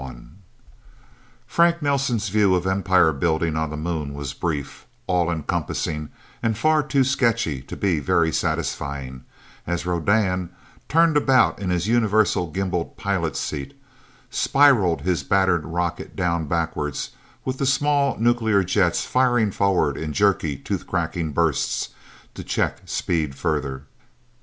IV Frank Nelsen's view of empire building on the Moon was brief, all encompassing, and far too sketchy to be very satisfying, as Rodan turned about in his universal gimbaled pilot seat spiralled his battered rocket down backwards, with the small nuclear jets firing forward in jerky, tooth cracking bursts, to check speed further.